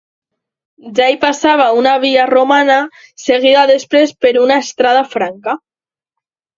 Ja hi passava una via romana, seguida després per una estrada franca.